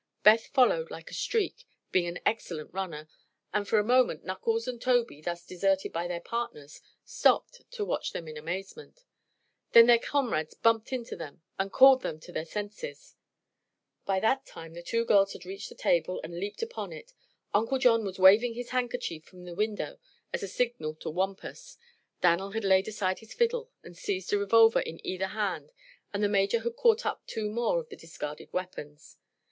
Beth followed like a streak, being an excellent runner, and for a moment Knuckles and Tobey, thus deserted by their partners, stopped to watch them in amazement. Then their comrades bumped into them and recalled them to their senses. By that time the two girls had reached the table and leaped upon it. Uncle John was waving his handkerchief from the window as a signal to Wampus; Dan'l had laid aside his fiddle and seized a revolver in either hand, and the Major had caught up two more of the discarded weapons.